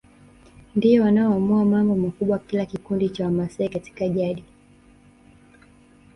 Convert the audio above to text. ndio wanaoamua mambo makubwa kila kikundi cha Wamasai Katika jadi